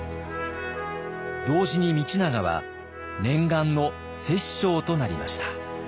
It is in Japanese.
同時に道長は念願の摂政となりました。